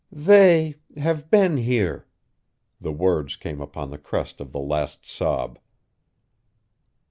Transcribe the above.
"They have been here!" The words came upon the crest of the last sob.